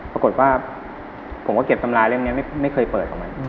ปรากฏว่าผมก็เก็บตำราเล่มนี้ไม่เคยเปิดของมัน